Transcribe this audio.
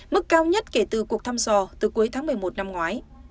mức cao nhất kể từ cuộc thăm dò từ cuối tháng một mươi một năm ngoái